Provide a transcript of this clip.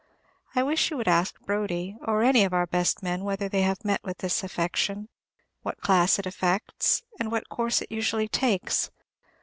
I wish you would ask Brodie, or any of our best men, whether they have met with this affection; what class it affects, and what course it usually takes?